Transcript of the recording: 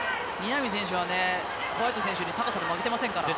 南選手はホワイト選手に高さで負けていませんから。